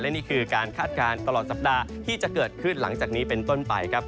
นี่คือการคาดการณ์ตลอดสัปดาห์ที่จะเกิดขึ้นหลังจากนี้เป็นต้นไปครับ